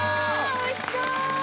おいしそう！